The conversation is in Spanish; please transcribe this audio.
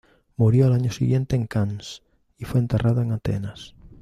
Murió el año siguiente en Cannes, y fue enterrado en Atenas.